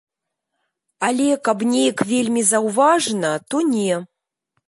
Але каб неяк вельмі заўважна, то не.